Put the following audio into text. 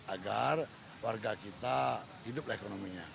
agar warga kita hiduplah ekonominya